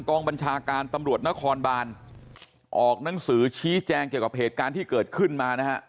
ออกหนังสือชี้แจงเกี่ยวกับเหตุการณ์ที่เกิดขึ้นมา